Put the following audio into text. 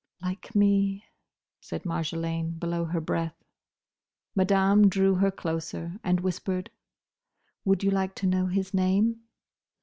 "Like me," said Marjolaine, below her breath. Madame drew her closer, and whispered, "Would you like to know his name?"